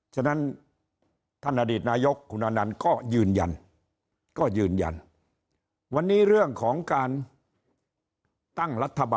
ฉะนั้นท่านอดีตนายกรัฐมนตรีคุณอานันต์ก็ยืนยัน